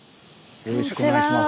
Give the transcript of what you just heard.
よろしくお願いします。